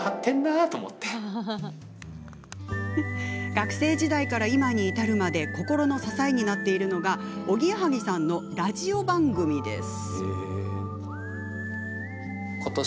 学生時代から今に至るまで心の支えになっているのがおぎやはぎさんのラジオ番組です。